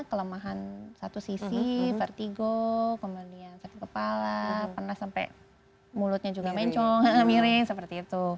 kelemahan satu sisi vertigo kemudian sakit kepala pernah sampai mulutnya juga mencong miring seperti itu